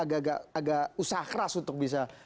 agak agak usaha keras untuk bisa